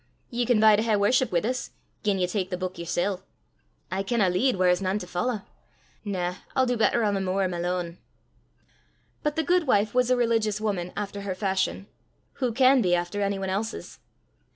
"Ye can bide an' hae worship wi' 's, gien ye tak the buik yersel'." "I canna lead whaur 's nane to follow. Na; I'll du better on the muir my lane." But the guidwife was a religious woman after her fashion who can be after any one else's?